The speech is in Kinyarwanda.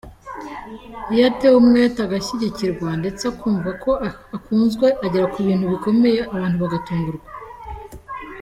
Iyo atewe umwete, agashyigikirwa ndetse akumva ko akunzwe agera ku bintu bikomeye abantu bagatungurwa.